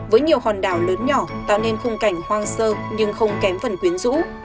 với nhiều hòn đảo lớn nhỏ tạo nên khung cảnh hoang sơ nhưng không kém phần quyến rũ